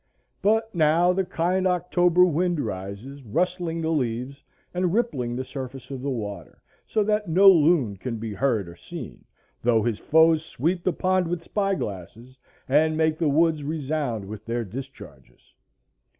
But now the kind October wind rises, rustling the leaves and rippling the surface of the water, so that no loon can be heard or seen, though his foes sweep the pond with spy glasses, and make the woods resound with their discharges.